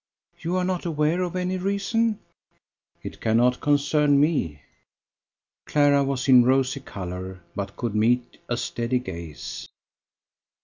"You are not aware of any reason?" "It cannot concern me." Clara was in rosy colour, but could meet a steady gaze.